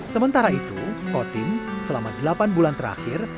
sementara itu kotim selama delapan bulan terakhir